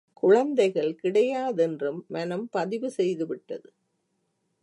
குழந்தைகள் கிடையாதென்றும் மனம் பதிவு செய்து விட்டது.